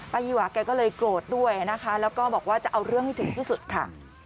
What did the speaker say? ยีวาแกก็เลยโกรธด้วยนะคะแล้วก็บอกว่าจะเอาเรื่องให้ถึงที่สุดค่ะ